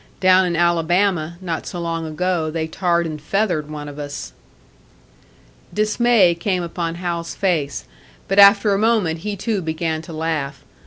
Down in Alabama, not so long ago, they tarred and feathered one of us." Dismay came upon Hal's face; but after a moment he too began to laugh.